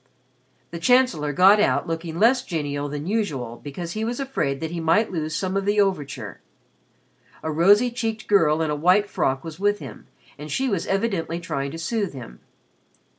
The Chancellor got out looking less genial than usual because he was afraid that he might lose some of the overture. A rosy cheeked girl in a white frock was with him and she was evidently trying to soothe him.